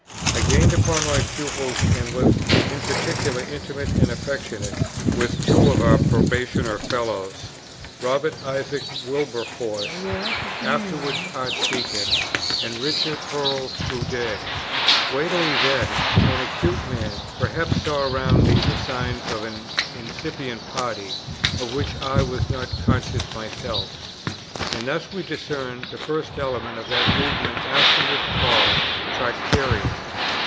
I gained upon my pupils, and was in particular intimate and affectionate with two of our probationer Fellows, Robert Isaac Wilberforce (afterwards Archdeacon) and Richard Hurrell Froude. Whately then, an acute man, perhaps saw around me the signs of an incipient party, of which I was not conscious myself. And thus we discern the first elements of that movement afterwards called Tractarian.